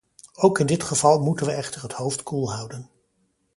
Ook in dit geval moeten we echter het hoofd koel houden.